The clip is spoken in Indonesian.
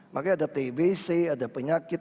makanya ada tbc ada penyakit